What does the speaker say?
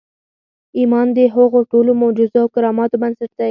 ایمان د هغو ټولو معجزو او کراماتو بنسټ دی